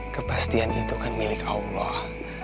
kepastian itu kan milik allah